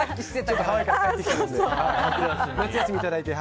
ハワイから帰ってきたので夏休みいただいて。